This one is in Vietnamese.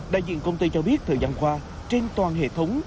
đại diện công ty cho biết thời gian qua trên toàn hệ thống